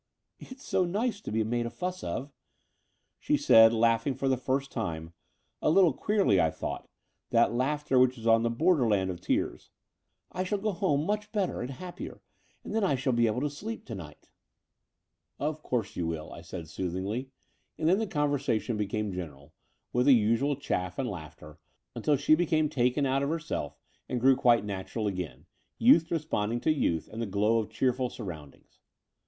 "It's so nice to be made a fuss of," she said, laughing for the first time — a little queerly, I thought, that laughter which is on the borderland of tears. "I shall go home much better and hap pier; and then I shall be able to sleep to night." 262 The Door of the Unreal "Of course you will," I said soothingly; and then the conversation became general, with the usual chaff and laughter, until she became taken out of herself and grew quite natural again, youth responding to youth and the glow of cheerful sur roundings.